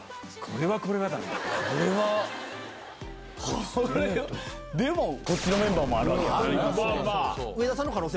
これでもこっちのメンバーもあるわけやからな。